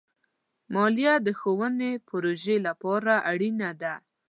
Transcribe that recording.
مالیه د ښوونې پروژو لپاره اړینه ده.